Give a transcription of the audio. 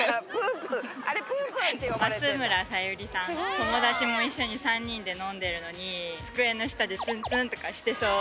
友達も一緒に３人で飲んでるのに机の下でつんつんとかしてそう。